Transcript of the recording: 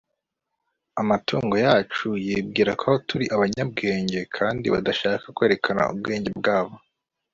amatungo yacu yibwira ko turi abanyabwenge kandi badashaka kwerekana ubwenge bwabo